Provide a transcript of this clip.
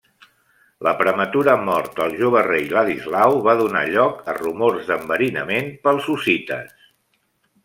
La prematura mort del jove rei Ladislau va donar lloc a rumors d'enverinament pels hussites.